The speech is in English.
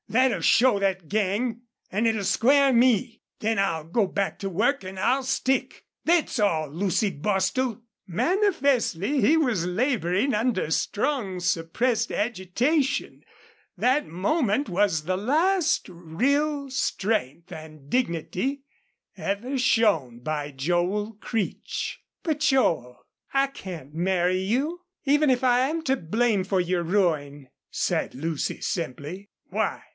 Thet'll show thet gang! An' it'll square me. Then I'll go back to work an' I'll stick. Thet's all, Lucy Bostil." Manifestly he was laboring under strong suppressed agitation. That moment was the last of real strength and dignity ever shown by Joel Creech. "But, Joel, I can't marry you even if I am to blame for your ruin," said Lucy, simply. "Why?"